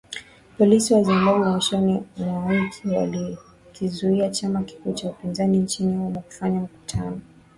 Polisi wa Zimbabwe mwishoni mwa wiki walikizuia chama kikuu cha upinzani nchini humo kufanya mikutano kabla ya uchaguzi wa Machi ishirini na sita